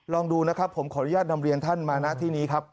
ลองดูนะครับผมขออนุญาตนำเรียนท่านมาณที่นี้ครับ